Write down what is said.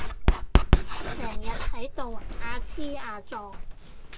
成日喺度阿支阿左